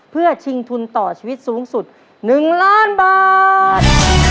เพื่อชิงทุนต่อชีวิตสูงสุด๑ล้านบาท